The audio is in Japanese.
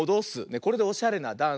これでおしゃれなダンスだよ。